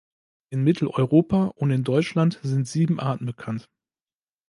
In Mitteleuropa und in Deutschland sind sieben Arten bekannt.